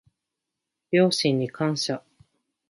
両親に感謝